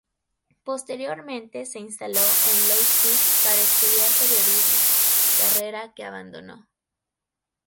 Posteriormente se instaló en Leipzig para estudiar periodismo, carrera que abandonó.